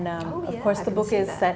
dan tentu saja buku itu di set